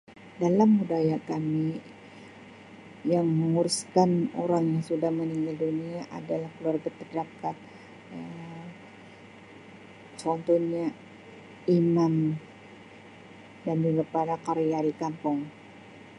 Dalam budaya kami yang menguruskan orang sudah mening- [unintelligible] adalah keluarga terdakat. Um Contohnya imam dan juga para qariah di kampung.